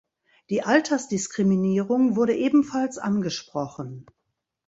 Die Altersdiskriminierung wurde ebenfalls angesprochen.